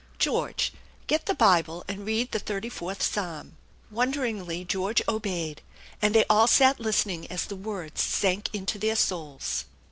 George, get the Bible and read the thirty fourth psalm/' Wonder ingly George obeyed, and they all sat listening as the words sank into their souls.